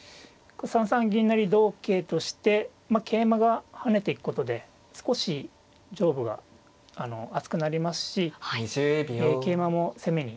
３三銀成同桂として桂馬が跳ねていくことで少し上部が厚くなりますし桂馬も攻めに。